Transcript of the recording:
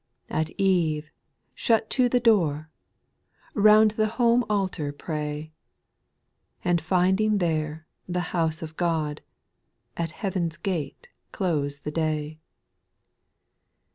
3. At eve shut to the door, Hound the home altar pray, And finding there " the house of God,*' At " heaven's gate " close the day.